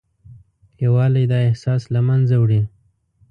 یووالی دا احساس له منځه وړي.